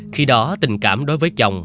khi đó tình cảm đối với chồng